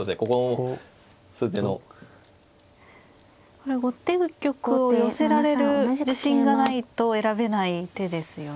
これは後手玉を寄せられる自信がないと選べない手ですよね。